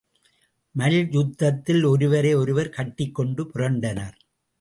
மல்யுத்தத்தில் ஒருவரை ஒருவர் கட்டிக் கொண்டு புரண்டனர்.